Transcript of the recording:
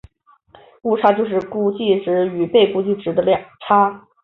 误差就是估计值与被估计量的差。